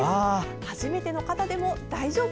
初めての方でも大丈夫。